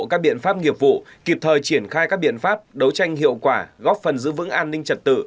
các biện pháp nghiệp vụ kịp thời triển khai các biện pháp đấu tranh hiệu quả góp phần giữ vững an ninh trật tự